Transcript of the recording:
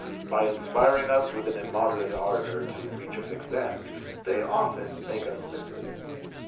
By inspiring us with an immoderate ardour to reach a fixed end, they often make us miss it.